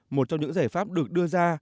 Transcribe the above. một trong những giải pháp được đưa ra